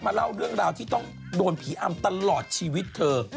เล่าเรื่องราวที่ต้องโดนผีอำตลอดชีวิตเธอ